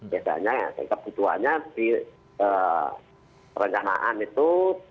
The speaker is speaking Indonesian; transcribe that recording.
biasanya kebutuhannya di perencanaan itu